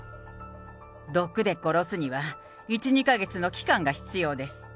毒で殺すには、１、２か月の期間が必要です。